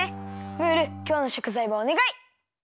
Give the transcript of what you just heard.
ムールきょうのしょくざいをおねがい！